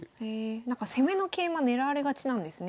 攻めの桂馬狙われがちなんですね